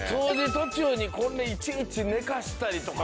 途中にこれいちいち寝かしたりとかさ